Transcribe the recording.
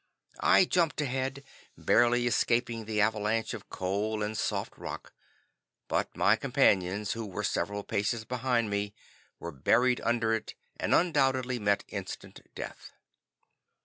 I jumped ahead, barely escaping the avalanche of coal and soft rock, but my companions, who were several paces behind me, were buried under it, and undoubtedly met instant death.